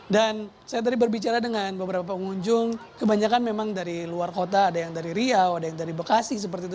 dan saya tadi berbicara dengan beberapa pengunjung kebanyakan memang dari luar kota ada yang dari riau ada yang dari bekasi seperti itu